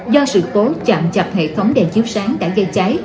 do sự cố chạm chặt hệ thống đèn chiếu sáng đã gây cháy